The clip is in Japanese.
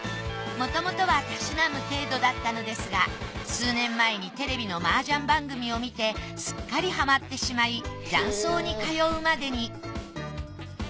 もともとはたしなむ程度だったのですが数年前にテレビのマージャン番組を見てすっかりハマってしまい雀荘に通うまでに。